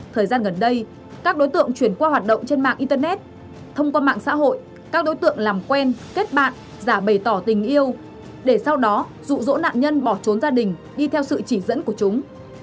thời gian gần đây các đối tượng chuyển qua hoạt động trên mạng internet thông qua mạng xã hội các đối tượng làm quen kết bạn giả bày tỏ tình yêu để sau đó rụ rỗ nạn nhân bỏ trốn gia đình đi theo sự chỉ dẫn của chúng